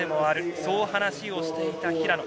そう話をしていた平野。